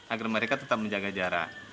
agar mereka tetap menjaga jarak